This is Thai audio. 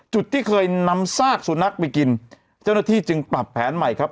ที่เคยนำซากสุนัขไปกินเจ้าหน้าที่จึงปรับแผนใหม่ครับ